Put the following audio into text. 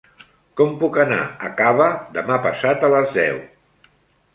Com puc anar a Cava demà passat a les deu?